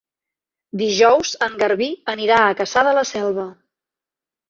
Dijous en Garbí anirà a Cassà de la Selva.